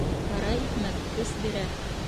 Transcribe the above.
Ҡара икмәк көс бирә